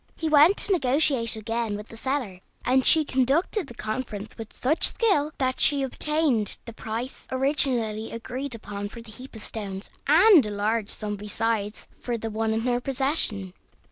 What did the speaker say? He went to negotiate again with the seller, and she conducted the conference with such skill that she obtained the price originally agreed upon for the heap of stones, and a large sum besides for the one in her possession.